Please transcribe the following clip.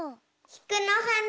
きくのはな！